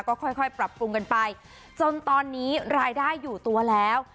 ก็ค่อยค่อยปรับปรุงกันไปจนตอนนี้รายได้อยู่ตัวแล้ว